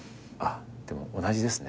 でも同じですね。